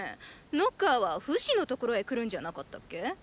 ノッカーは“フシ”の所へ来るんじゃなかったっけ？